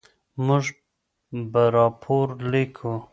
موږ به راپور لیکو.